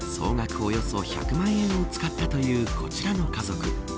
およそ１００万円を使ったというこちらの家族。